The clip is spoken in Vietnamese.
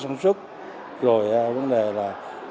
sản xuất rồi vấn đề là